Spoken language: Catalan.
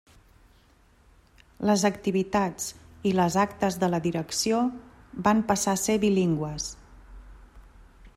Les activitats i les actes de la direcció van passar a ser bilingües.